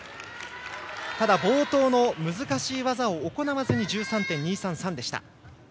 ただ冒頭の難しい技を行わずに１３．２３３でした。